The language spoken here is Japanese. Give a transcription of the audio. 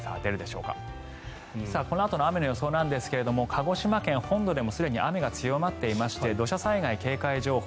このあとの雨の予想なんですが鹿児島県本土でもすでに雨が強まっていて土砂災害警戒情報